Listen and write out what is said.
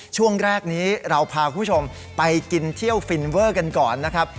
ช่วงแรกนี้เราพาคุณผู้ชมไปกินเที่ยวฟินเวอร์กันก่อนนะครับ